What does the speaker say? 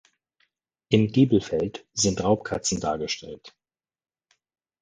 Im Giebelfeld sind Raubkatzen dargestellt.